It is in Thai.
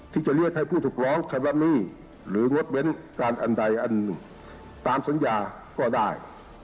ที่จะเรียกให้ผู้ถูกร้องชำระหนี้หรืองดเว้นการอันใดอันตามสัญญาก็ได้